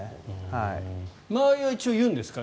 周りは一応言うんですか？